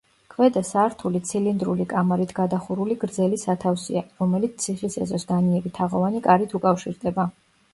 ქვედა სართული ცილინდრული კამარით გადახურული გრძელი სათავსია, რომელიც ციხის ეზოს განიერი თაღოვანი კარით უკავშირდება.